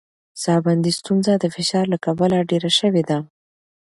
ساه بندي ستونزه د فشار له کبله ډېره شوې ده.